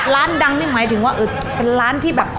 ร้านดังนี่หมายถึงว่าเป็นร้านที่แบบ